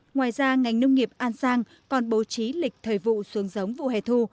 ngoài ra ngành nông nghiệp an giang còn bố trí lịch thời vụ xuống giống vụ hè thu